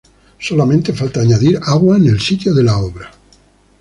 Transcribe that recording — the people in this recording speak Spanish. Solamente falta añadir agua en el sitio de la obra.